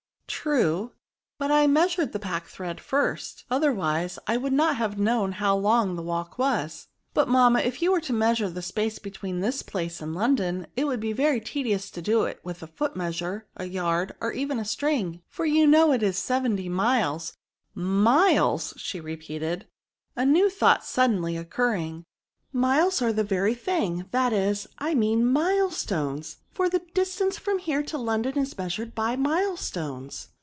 " True, but I measured the packthread first, otherwise I could not have known how long the walk was." But, mamma, if you were to measure the space between this place and London, itwould be very tedious to do it with a foot measure, a yard, or even a string, for you know it is seventy miles — milesy^ repeated she, a new thought suddenly occurring, " miles are the very thing, that is, I mean milestones ; for the distance &om here to London is measured by mile stones."